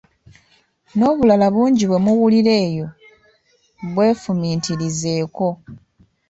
N'obulala bungi bwe muwulira eyo bw'efumiitirizeeko.